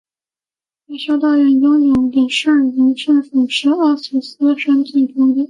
该修道院拥有的圣人圣髑是阿索斯山最多的。